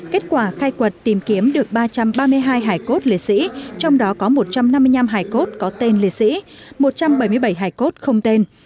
kết quả khai quật tìm kiếm được ba trăm ba mươi hai hải cốt lễ sĩ trong đó có một trăm năm mươi năm hải cốt có tên liệt sĩ một trăm bảy mươi bảy hải cốt không tên